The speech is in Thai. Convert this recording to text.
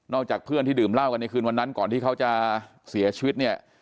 จากเพื่อนที่ดื่มเหล้ากันในคืนวันนั้นก่อนที่เขาจะเสียชีวิตเนี่ย